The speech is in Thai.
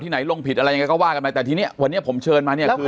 ที่ไหนลงผิดอะไรอย่างเงี้ยก็ว่ากันไหมแต่ทีเนี้ยวันเนี้ยผมเชิญมาเนี้ยคือ